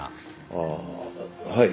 ああはい。